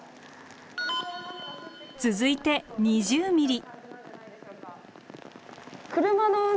続いて２０ｍｍ。